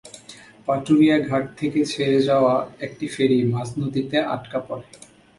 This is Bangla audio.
পাটুরিয়া ঘাট থেকে ছেড়ে যাওয়া একটি ফেরি মাঝ নদীতে আটকা পড়ে।